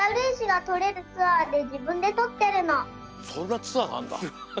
そんなツアーがあるんだ。